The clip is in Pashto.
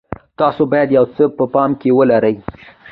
تاسو باید یو څه په پام کې ولرئ.